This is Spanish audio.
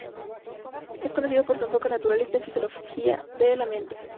Es conocido por su enfoque naturalista en Filosofía de la mente.